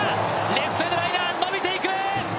レフトへのライナー伸びていく。